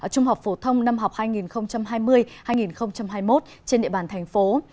trung học phổ thông năm học hai nghìn hai mươi hai nghìn hai mươi một trên địa bàn thành phố